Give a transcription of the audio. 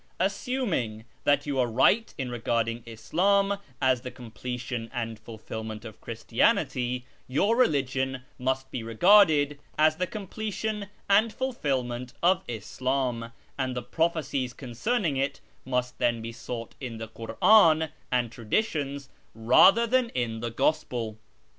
Assuming that you are right in regarding Ishim as the completion and fulfilment of Christianity, your religion must be regarded as the completion and fulfilment of Islam, and the prophecies concerning it must then be sought in the Kur'an and Traditions rather than in the Gospel.